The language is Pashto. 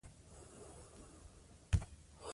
لوستې میندې د ماشوم پر خوندیتوب پوهېږي.